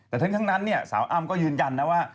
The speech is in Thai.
แต่ทั้งนั้นสาวอ้ำก็ยืนยันนะว่า